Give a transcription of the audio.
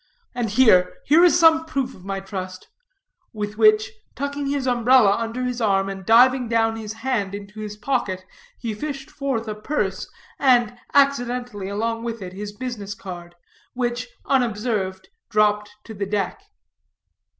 "And here, here is some proof of my trust," with which, tucking his umbrella under his arm, and diving down his hand into his pocket, he fished forth a purse, and, accidentally, along with it, his business card, which, unobserved, dropped to the deck.